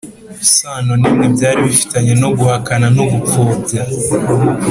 sano n'imwe byari bifitanye no guhakana no gupfobya